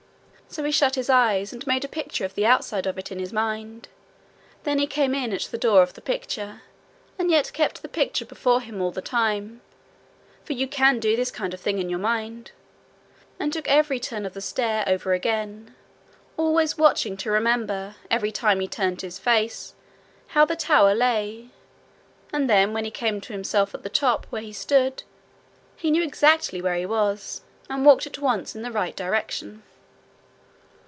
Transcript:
So he shut his eyes and made a picture of the outside of it in his mind. Then he came in at the door of the picture, and yet kept the picture before him all the time for you can do that kind of thing in your mind and took every turn of the stair over again, always watching to remember, every time he turned his face, how the tower lay, and then when he came to himself at the top where he stood, he knew exactly where it was, and walked at once in the right direction.